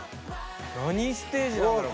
なにステージだろ？